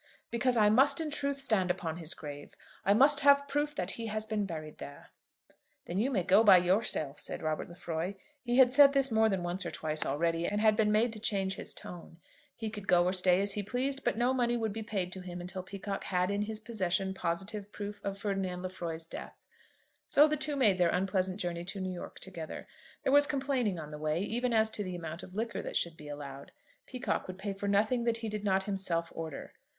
"Because I must in truth stand upon his grave. I must have proof that he has been buried there." "Then you may go by yourself," said Robert Lefroy. He had said this more than once or twice already, and had been made to change his tone. He could go or stay as he pleased, but no money would be paid to him until Peacocke had in his possession positive proof of Ferdinand Lefroy's death. So the two made their unpleasant journey to New York together. There was complaining on the way, even as to the amount of liquor that should be allowed. Peacocke would pay for nothing that he did not himself order.